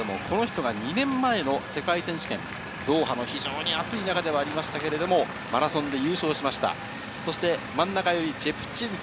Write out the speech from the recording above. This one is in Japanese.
この人が２年前の世界選手権ドーハの非常に暑い中ではありましたが、マラソンで優勝しました。